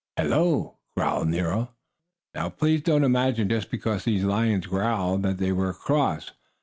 "Hello!" growled Nero. Now please don't imagine, just because these lions growled, that they were cross.